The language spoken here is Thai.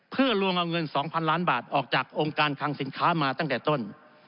เพื่อลวงเอาเงิน๒๐๐ล้านบาทออกจากองค์การคังสินค้ามาตั้งแต่ต้น